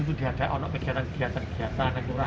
itu di ada anak kegiatan kegiatan kegiatan